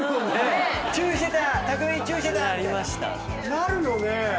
なるよね！